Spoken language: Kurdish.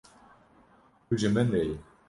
Tu ji min re yî.